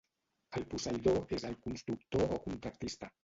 El posseïdor és el constructor o contractista.